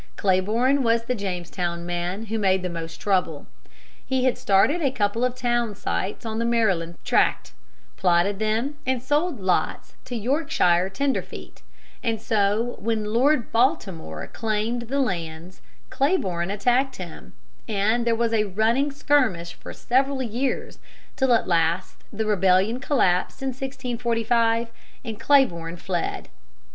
Clayborne was the Jamestown man who made the most trouble. He had started a couple of town sites on the Maryland tract, plotted them, and sold lots to Yorkshire tenderfeet, and so when Lord Baltimore claimed the lands Clayborne attacked him, and there was a running skirmish for several years, till at last the Rebellion collapsed in 1645 and Clayborne fled.